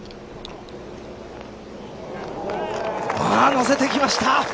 のせてきました。